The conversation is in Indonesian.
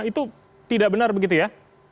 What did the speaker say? itu tidak benar begitu ya